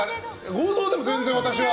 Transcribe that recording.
合同でも全然私は。